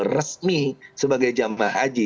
resmi sebagai jama'ah haji